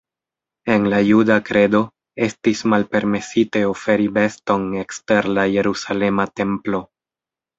En la juda kredo estis malpermesite oferi beston ekster la Jerusalema templo.